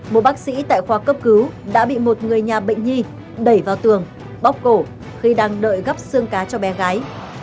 một bác sĩ tại khoa cấp cứu đã bị một người nhà bệnh nhi đẩy vào tường bóc cổ khi đang đợi gấp xương cá cho bé gái